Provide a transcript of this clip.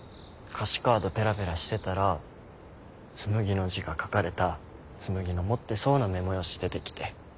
歌詞カードペラペラしてたら紬の字が書かれた紬の持ってそうなメモ用紙出てきて。